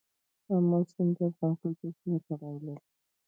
آمو سیند د افغان کلتور سره تړاو لري.